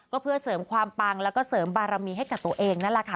ก็เพื่อเสริมความปังแล้วก็เสริมบารมีให้กับตัวเองนั่นแหละค่ะ